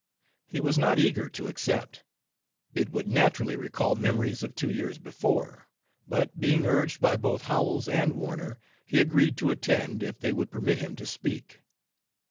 He was not eager to accept; it would naturally recall memories of two years before, but being urged by both Howells and Warner, he agreed to attend if they would permit him to speak.